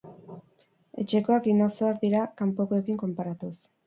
Etxekoak inozoak dira kanpokoekin konparatuz.